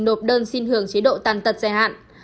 nộp đơn xin hưởng chế độ tàn tật dài hạn